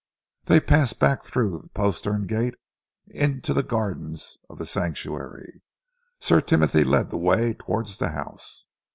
They passed back through the postern gate into the gardens of The Sanctuary. Sir Timothy led the way towards the house.